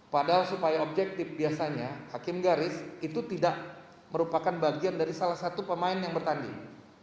padahal supaya objektif biasanya hakim garis itu tidak merupakan bagian dari salah satu pemain yang bertanding